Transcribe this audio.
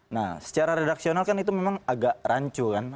nah secara redaksional kan itu memang agak rancu kan